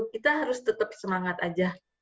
kita harus tetap semangat aja